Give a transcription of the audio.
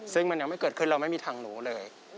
ซึ่งมันยังไม่เกิดขึ้นเราไม่มีทางรู้เลย